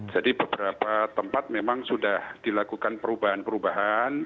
jadi beberapa tempat memang sudah dilakukan perubahan perubahan